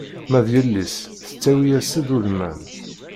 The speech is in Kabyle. Ma d yelli-s tettawi-as-d ulman.